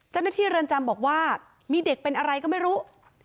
เจ้าหน้าที่เรือนจำบอกว่ามีเด็กเป็นอะไรก็ไม่รู้